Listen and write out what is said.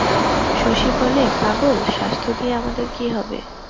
শশী বলে, পাগল, স্বাস্থ্য দিয়ে আমাদের কী হবে।